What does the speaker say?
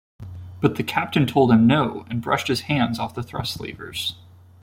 But the Captain told him no and brushed his hands off the thrust levers.